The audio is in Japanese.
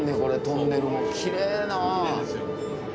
トンネルもきれいな。